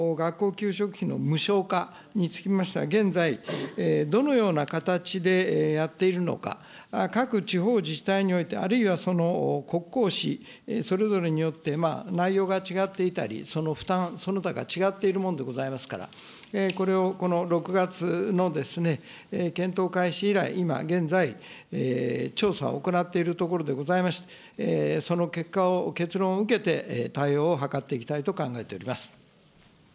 給食費の無償化につきましては、現在、どのような形でやっているのか、各地方自治体において、あるいは、その国公私、それぞれによって、内容が違っていたり、負担その他が違っているものでございますから、これを、この６月の検討開始以来、今現在、調査を行っているところでございまして、その結果を、結論を受けて対応を図っていきたいと考えております。